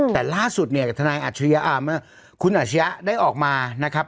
แต่ล่าสุดเนี่ยที่ทนายอาชญาคุณอาชญาได้ออกมานะครับ